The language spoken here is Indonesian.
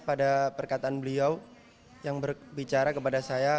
pada perkataan beliau yang berbicara kepada saya